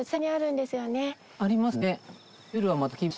ありますね。